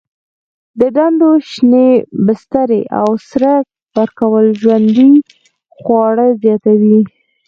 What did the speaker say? د ډنډونو شینې بسترې او سره ورکول ژوندي خواړه زیاتوي.